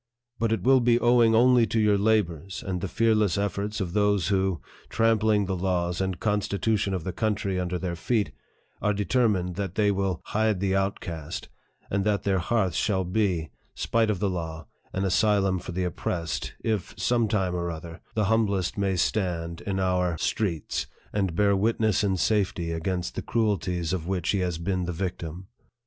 But it will be owing only to your labors, and the fear less efforts of those who, trampling the laws and Con stitution of the country under their feet, are determined that they will " hide the outcast," and that their hearths shall be, spite of the law, an asylum for the oppressed, if, some time or other, the humblest may stand in OUT XVI LETTER FROM WENDELL PHILLIPS, ESQ. streets, and bear witness in safety against the cruel ties of which he has been the victim.